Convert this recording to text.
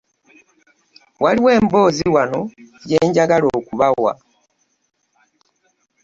Waliwo emboozi wano gye njagala okubawa.